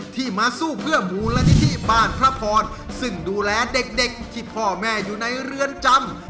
ที่มาสู้เพื่อมูลนิธิบ้านพระพรซึ่งดูแลเด็กที่พ่อแม่อยู่ในเรือนจำ